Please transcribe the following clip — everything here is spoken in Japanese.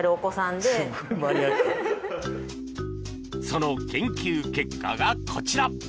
その研究結果が、こちら。